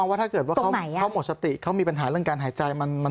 แล้วก็ปี๖๒เนี่ยแหละ